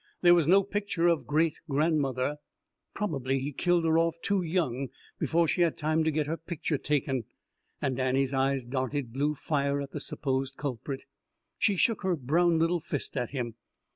There was no picture of great grandmother. "Probably he killed her off too young, before she had time to get her picture taken." And Annie's eyes darted blue fire at the supposed culprit. She shook her brown little fist at him.